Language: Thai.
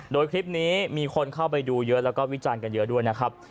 โดยคลิปนี้มีคนเข้าไปดูเยอะแล้วก็วิจารณ์กันเยอะด้วยนะครับ